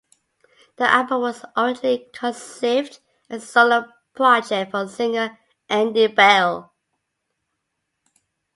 The album was originally conceived as a solo project for singer Andy Bell.